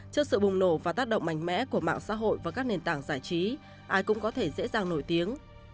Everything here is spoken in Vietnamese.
trước sự bùng nổ và tác động mạnh mẽ của mạng xã hội và các nền tảng giải trí ai cũng có thể dễ dàng nổi tiếng